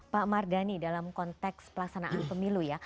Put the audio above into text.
pak mardhani dalam konteks pelaksanaan pemilu ya